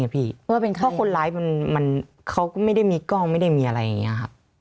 เพราะคนร้ายเขาก็ไม่ได้มีกล้องไม่ได้มีอะไรอย่างนี้ครับ